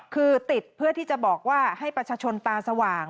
คือติดเพื่อที่จะบอกว่าให้ประชาชนตาสว่าง